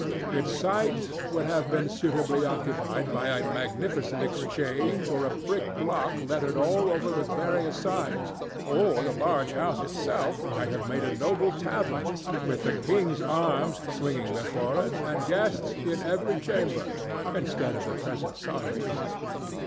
Its site would have been suitably occupied by a magnificent Exchange or a brick block lettered all over with various signs, or the large house itself might have made a noble tavern with the "King's Arms" swinging before it and guests in every chamber, instead of the present solitude.